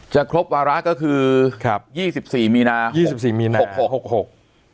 ครบวาระก็คือครับยี่สิบสี่มีนายี่สิบสี่มีนาหกหกหกหก